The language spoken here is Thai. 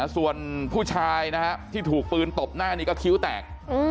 ส่วนผู้ชายนะฮะที่ถูกปืนตบหน้านี้ก็คิ้วแตก